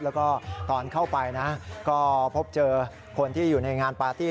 แล้วก็ตอนเข้าไปนะก็พบเจอคนที่อยู่ในงานปาร์ตี้